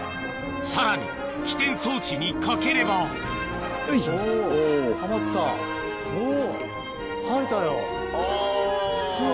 さらに起点装置にかければおぉはまったおぉ。